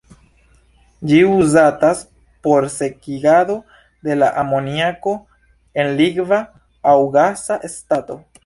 Ĝi uzatas por sekigado de la amoniako en likva aŭ gasa stato.